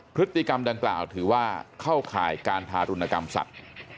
พฤติกรรมดังกล่าวถือว่าเข้าข่ายการทารุณกรรมสัตว์